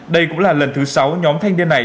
đây cũng là lần thứ sáu nhóm thanh niên này